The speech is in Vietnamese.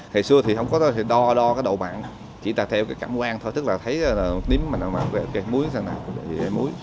thời xưa thì không có đâu thì đo đo cái độ mặn chỉ là theo cái cảm quan thôi tức là thấy nếm mình nó mặn muối nó sao nào muối